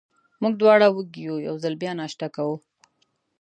موږ دواړه وږي وو، یو ځل بیا ناشته کوو.